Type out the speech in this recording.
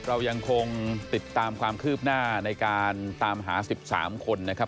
เรายังคงติดตามความคืบหน้าในการตามหา๑๓คนนะครับ